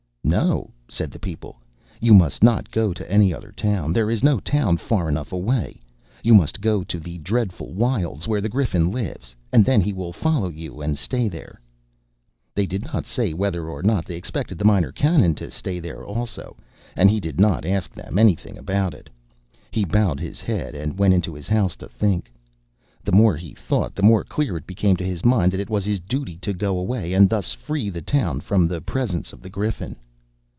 "No," said the people, "you must not go to any other town. There is no town far enough away. You must go to the dreadful wilds where the Griffin lives; and then he will follow you and stay there." They did not say whether or not they expected the Minor Canon to stay there also, and he did not ask them any thing about it. He bowed his head, and went into his house, to think. The more he thought, the more clear it became to his mind that it was his duty to go away, and thus free the town from the presence of the Griffin.